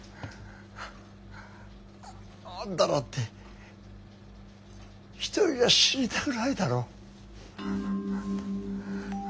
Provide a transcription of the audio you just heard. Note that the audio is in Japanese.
あんただって一人じゃ死にたくないだろ？